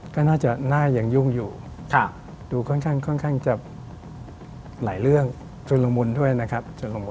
ก็น่าจะหน้ายังยุ่งอยู่ดูค่อนข้างจะหลายเรื่องชุดละมุนด้วยนะครับ